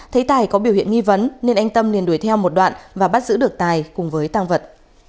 thấy tài có biểu hiện nghi vấn nên anh tâm liền đuổi theo một đoạn và bắt giữ được tài cùng với tăng vật